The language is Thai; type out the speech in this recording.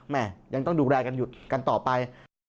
แม่ยังต้องดูแลกันหยุดกันต่อไป